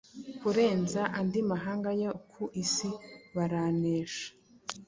kurenza andi mahanga yo ku isi baranesha.